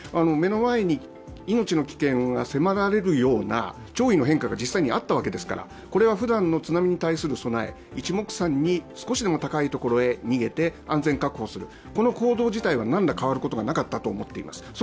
目の前に命の危険が迫られるような潮位の変化が実際にあったわけですからこれはふだんの津波に対する備え、いちもくさんに少しでも高いところへ逃げて安全確保する、この行動自体は何ら変わることがなかったと思います。